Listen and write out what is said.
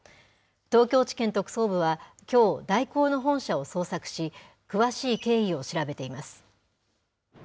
東京地検特捜部は、きょう、大広の本社を捜索し、詳しい経緯を調べています。